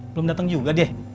belum dateng juga deh